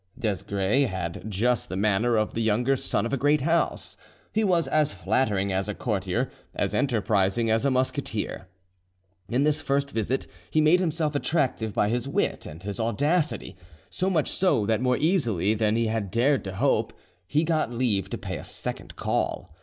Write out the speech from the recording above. Desgrais had just the manner of the younger son of a great house: he was as flattering as a courtier, as enterprising as a musketeer. In this first visit he made himself attractive by his wit and his audacity, so much so that more easily than he had dared to hope, he got leave to pay a second call.